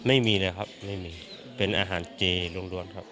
ไม่มีเลยครับไม่มีเป็นอาหารเจลุงด้วนครับ